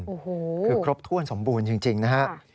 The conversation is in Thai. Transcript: คือครบถ้วนสมบูรณ์จริงนะครับ